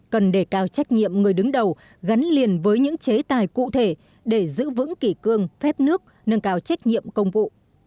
cần đề cao trách nhiệm người đứng đầu gắn liền với những chế tài cụ thể để giữ vững kỷ cương phép nước nâng cao trách nhiệm công vụ